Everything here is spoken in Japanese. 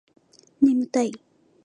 眠たい